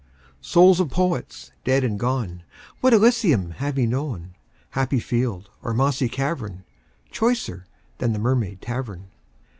Souls of Poets dead and gone, What Elysium have ye known, Happy field or mossy cavern, Choicer than the Mermaid Tavern?